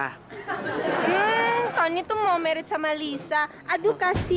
hmm tony tuh mau married sama lisa aduh kasih